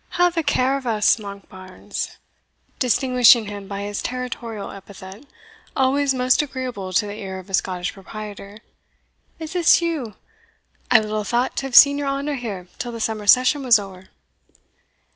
"Have a care o' us, Monkbarns (distinguishing him by his territorial epithet, always most agreeable to the ear of a Scottish proprietor), is this you? I little thought to have seen your honour here till the summer session was ower."